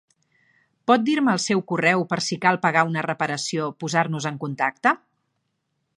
Pot dir-me el seu correu per si cal pagar una reparació, posar-nos en contacte?